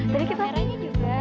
sedikit merahnya juga